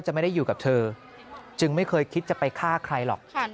ไม่ได้อยู่กับเธอจึงไม่เคยคิดจะไปฆ่าใครหรอก